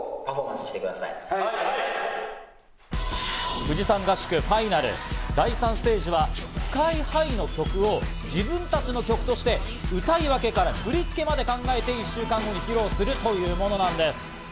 富士山合宿ファイナル・第３ステージはＳＫＹ−ＨＩの曲を自分たちの曲として歌い分けから振り付けまで考えて、１週間後に披露するというものなんです。